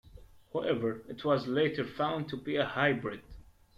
However, it was later found to be a hybrid.